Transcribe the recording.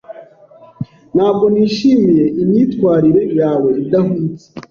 Ntabwo nishimiye imyitwarire yawe idahwitse.